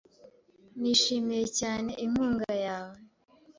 Nishimiye cyane. inkunga yawe .